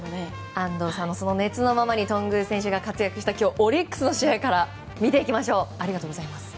安藤さんの熱のままに頓宮選手が活躍したオリックスの試合から見ていきましょう。